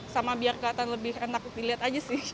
sama biar kelihatan lebih enak dilihat aja sih